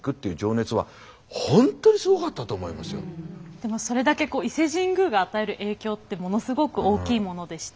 でもそれだけ伊勢神宮が与える影響ってものすごく大きいものでして。